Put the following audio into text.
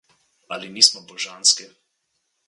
Ali nismo božanski?